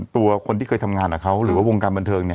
ตัวคนที่เคยทำงานกับเขาหรือว่าวงการบันเทิงเนี่ย